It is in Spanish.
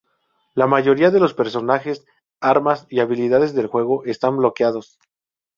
La mayoría de los personajes, armas y habilidades del juego están bloqueados.